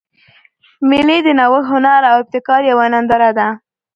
مېلې د نوښت، هنر او ابتکار یوه ننداره ده.